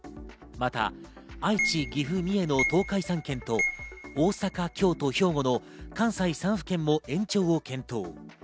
また愛知、岐阜、三重の東海３県と大阪、京都、兵庫の関西３府県も延長を検討。